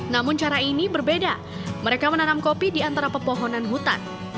namun cara ini berbeda mereka menanam kopi di antara pepohonan hutan